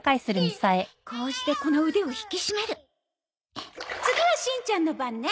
こうしてこの腕を引き締める次はしんちゃんの番ね。